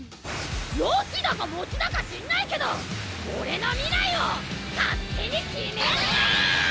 予知だかモチだか知んないけど俺の未来を勝手に決めるなぁ！